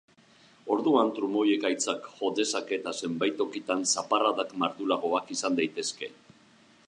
Orduan trumoi-ekaitzak jo dezake eta zenbait tokitan zaparradak mardulagoak izan daitezke.